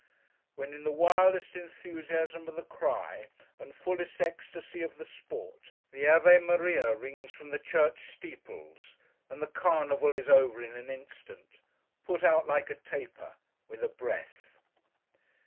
—when in the wildest enthusiasm of the cry, and fullest ecstasy of the sport, the Ave Maria rings from the church steeples, and the Carnival is over in an instant—put out like a taper, with a breath!